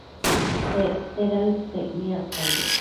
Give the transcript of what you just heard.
Secte daëd caic niacpayoc